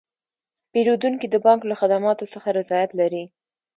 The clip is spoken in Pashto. پیرودونکي د بانک له خدماتو څخه رضایت لري.